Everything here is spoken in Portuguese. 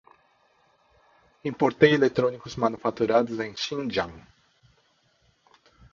Importei eletrônicos manufaturados em Xinjiang